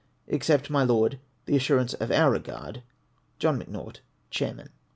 Accept, my Lord, the assurance of our regard, John M'Naught, Gltairman, VOL. n.